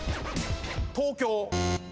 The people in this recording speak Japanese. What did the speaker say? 東京。